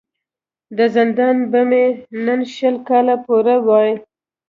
د زندان به مي نن شل کاله پوره وای